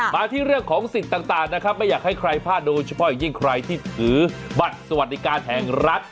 มาที่เรื่องของสิทธิ์ต่างนะครับไม่อยากให้ใครพลาดโดยเฉพาะอย่างยิ่งใครที่ถือบัตรสวัสดิการแห่งรัฐ